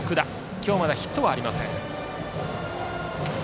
今日まだヒットはありません。